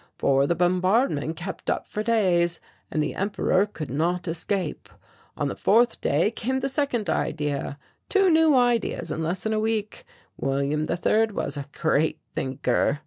For the bombardment kept up for days and the Emperor could not escape. On the fourth day came the second idea two new ideas in less than a week! William III was a great thinker.